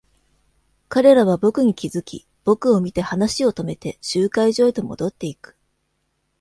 彼らは僕に気づき、僕を見て話を止めて、集会所へと戻っていく。